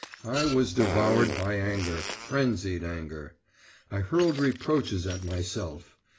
I was devoured by anger, frenzied anger. I hurled reproaches at myself.